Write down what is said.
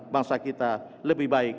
bangsa kita lebih baik